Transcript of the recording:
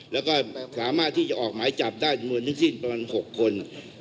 แล้วก็สามารถที่จะออกหมายจับได้จำนวนทั้งสิ้นประมาณ๖คน